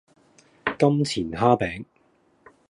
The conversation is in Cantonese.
金錢蝦餅